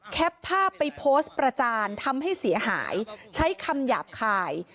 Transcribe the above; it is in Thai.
ภาพไปโพสต์ประจานทำให้เสียหายใช้คำหยาบคาย